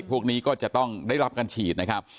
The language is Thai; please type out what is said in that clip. พวกนี้ก็จะต้องได้รับการฉีดนะครับ